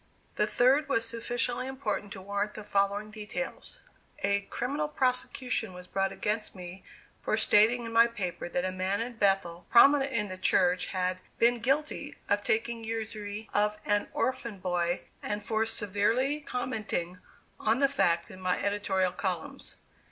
The third was sufficiently important to warrant the following detail: A criminal prosecution was brought against me for stating in my paper that a man in Bethel, prominent in the church, had "been guilty of taking usury of an orphan boy," and for severely commenting on the fact in my editorial columns.